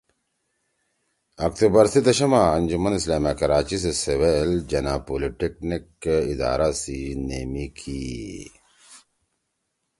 اکتوبر سی دشَمّا آنجمن اسلامیہ کراچی سی سویل جناح پولی ٹیکنیک ادارہ سی )تاسیس( نیمی کی